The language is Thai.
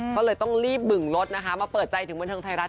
ก็เลยต้องรีบบึงรถนะคะมาเปิดใจถึงบันเทิงไทยรัฐ